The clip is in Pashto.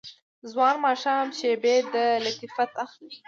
ځوان ماښام شیبې د لطافت اخلي